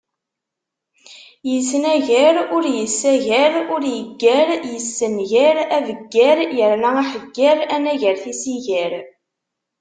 Yesnagar ur yessagar, ur yeggar, yessengar, abeggar yerna aḥegger, anagar tisigar.